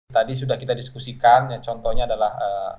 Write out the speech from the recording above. tadi sudah kita diskusikan yang contohnya adalah